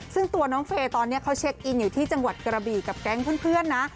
ซึ่งตัวน้องเฟย์ตอนนี้เขาเช็คอินอยู่ที่จังหวัดกระบีกับแก๊งเพื่อนนะ